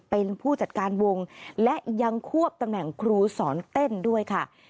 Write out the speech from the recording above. เป็นผู้จัดการวงและยังควบตำแหน่งครูสอนเต้นด้วยค่ะ